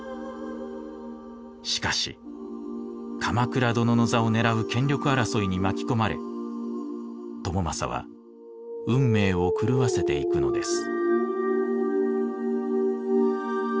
しかし鎌倉殿の座を狙う権力争いに巻き込まれ朝雅は運命を狂わせていくのです。